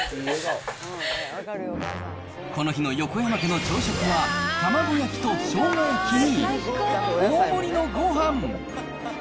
この日の横山家の朝食は、卵焼きとしょうが焼きに、大盛りのごはん。